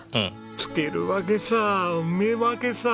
つけるわけさうめえわけさ。